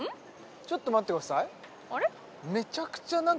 ちょっと待ってくださいあれっ？